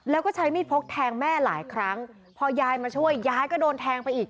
แล้วก็ใช้มีดพกแทงแม่หลายครั้งพอยายมาช่วยยายก็โดนแทงไปอีก